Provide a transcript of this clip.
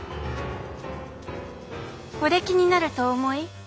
おできになるとお思い？